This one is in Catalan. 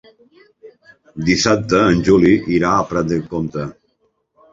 Dissabte en Juli irà a Prat de Comte.